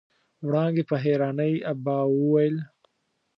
وړانګې په حيرانۍ ابا وويل.